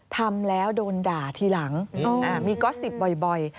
ทำแล้วโดนด่าทีหลังมีก๊อสซิตบ่อย